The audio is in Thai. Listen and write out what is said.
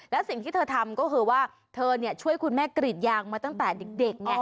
และสิ่งที่เธอทำก็คือว่าเธอช่วยคุณแม่กรีดยางมาตั้งแต่เด็กไง